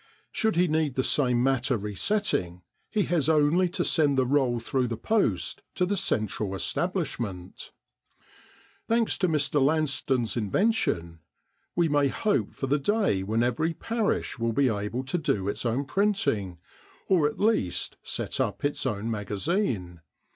Should he need the same matter re setting, he has only to send the roll through the post to the central establishment. Thanks to Mr. Lanston's invention we may hope for the day when every parish will be able to do its own printing, or at least set up its own magazine.